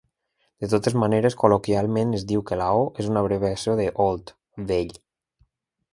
De totes maneres, col·loquialment es diu que la O és una abreviació de "old" (vell).